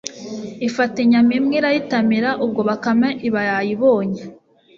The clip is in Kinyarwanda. ifata inyama imwe irayitamira, ubwo bakame iba yayibonye